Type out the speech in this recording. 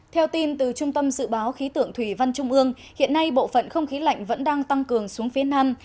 theo tin từ trung tâm dự báo khí tượng thủy văn trung ương hiện nay bộ phận không khí lạnh vẫn đang tăng cường xuống phía nam